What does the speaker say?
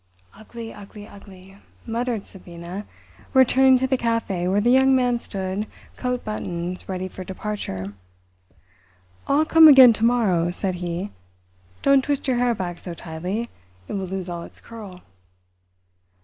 "Ugly—ugly—ugly," muttered Sabina, returning to the café where the Young Man stood coat buttoned, ready for departure. "I'll come again to morrow," said he. "Don't twist your hair back so tightly; it will lose all its curl."